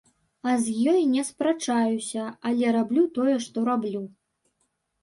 Я з ёй не спрачаюся, але раблю тое, што раблю.